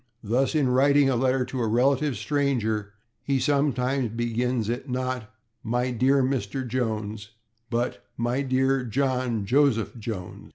Thus, in writing a letter to a relative stranger, he sometimes begins it, not /My dear Mr. Jones/ but /My dear John Joseph Jones